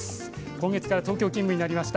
今月から東京勤務になりました。